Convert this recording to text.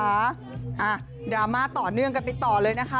ดราม่าต่อเนื่องกันไปต่อเลยนะคะ